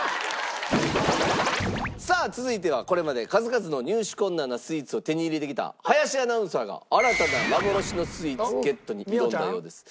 さあ続いてはこれまで数々の入手困難なスイーツを手に入れてきた林アナウンサーが新たな幻のスイーツゲットに挑んだようです。